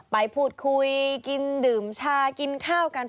ไปพูดคุยกินดื่มชากินข้าวกัน